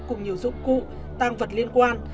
cùng nhiều dụng cụ tang vật liên quan